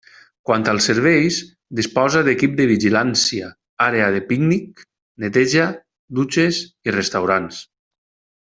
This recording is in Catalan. Quant als serveis disposa d'equip de vigilància, àrea de pícnic, neteja, dutxes i restaurants.